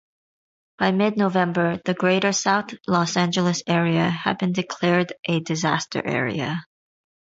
By mid-November, the greater South Los Angeles area had been declared a disaster area.